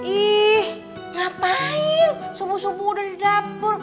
ih ngapain subuh subuh udah di dapur